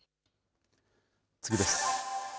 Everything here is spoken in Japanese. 次です。